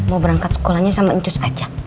mau berangkat sekolahnya sama ancus aja